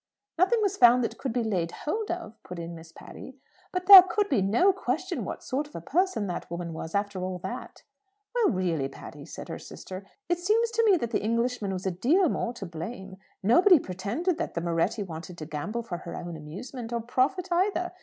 "Nothing was found that could be laid hold of," put in Miss Patty. "But there could be no question what sort of a person that woman was after all that!" "Well, really, Patty," said her sister, "it seems to me that the Englishman was a deal more to blame. Nobody pretended that the Moretti wanted to gamble for her own amusement, or profit either!